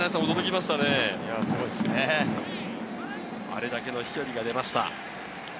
あれだけの飛距離が出ました。